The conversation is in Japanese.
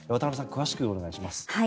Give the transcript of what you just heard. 詳しくお願いします。